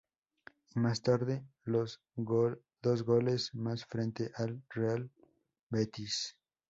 Y más tarde dos goles más frente al Real Betis.